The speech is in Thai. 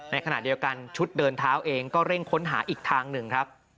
ในขณะเดียวกันชุดเดินเท้าเองก็เร่งค้นหาอีกทางหนึ่งครับ